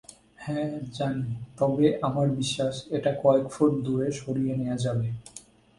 হ্যাঁ জানি, তবে আমার বিশ্বাস এটা কয়েক ফুট দূরে সরিয়ে নেয়া যাবে।